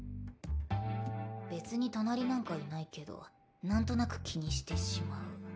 別に隣なんかいないけど何となく気にしてしまう。